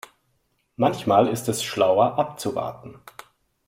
Manchmal ist es schlauer abzuwarten.